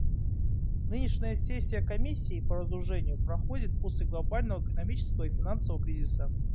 Нынешняя сессия Комиссии по разоружению проходит после глобального экономического и финансового кризиса.